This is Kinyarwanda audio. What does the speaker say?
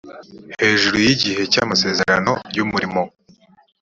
hejuru y igihe cy amasezerano y umurimo